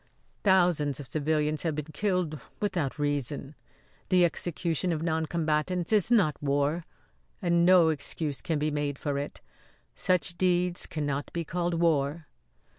"Thousands of civilians have been killed without reason. The execution of noncombatants is not war, and no excuse can be made for it. Such deeds cannot be called war."